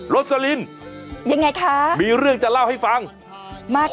โรสลินมีเรื่องจะเล่าให้ฟังยังไงคะ